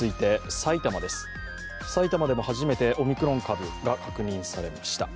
埼玉でも初めてオミクロン株が確認されました。